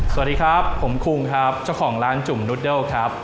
สวัสดีครับผมคุงครับเจ้าของร้านจุ่มนุดเดิลครับ